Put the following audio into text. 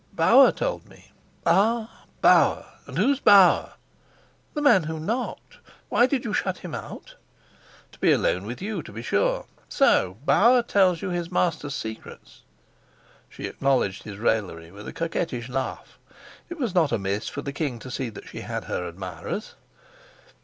"Bauer told me." "Ah, Bauer! And who's Bauer?" "The man who knocked. Why did you shut him out?" "To be alone with you, to be sure. So Bauer tells you his master's secrets?" She acknowledged his raillery with a coquettish laugh. It was not amiss for the king to see that she had her admirers.